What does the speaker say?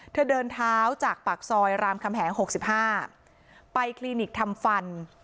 เธอเดินเท้าจากปากซอยรามคำแหง๖๕ไปคลินิกทำฟัน